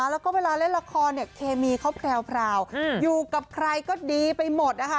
แล้วก็เวลาเล่นละครเนี่ยเคมีเขาแพรวอยู่กับใครก็ดีไปหมดนะคะ